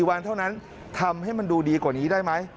วันเท่านั้นทำให้มันดูดีกว่านี้ได้ไหม